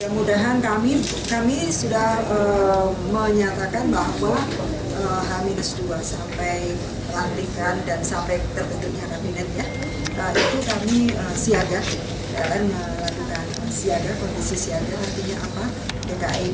mudah mudahan kami sudah menyatakan bahwa hal minus dua sampai pelantikan dan sampai terkentang kabinetnya